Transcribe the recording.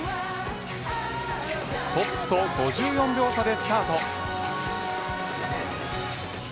トップと５４秒差でスタート。